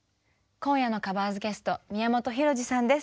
今夜のカバーズゲスト宮本浩次さんです。